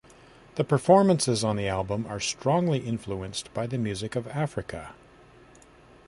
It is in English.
The performances on the album are strongly influenced by the music of Africa.